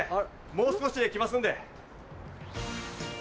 もう少しで来ますんで。